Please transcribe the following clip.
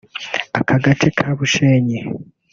Aka gace ka Bushenyi